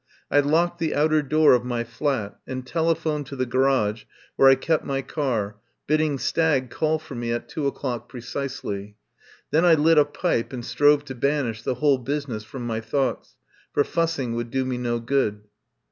I locked the outer door of my flat, and telephoned to the garage where I kept my car, bidding Stagg call for me at two o'clock precisely. Then I lit a pipe and strove to banish the whole business from my thoughts, for fussing would do me no good.